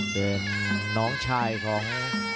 เป็นน้องชายของ